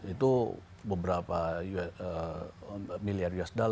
itu beberapa miliar usd